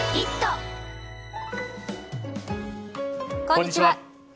こんにちは。